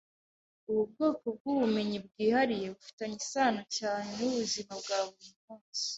Ubu bwoko bwubumenyi bwihariye bufitanye isano cyane nubuzima bwa buri munsi.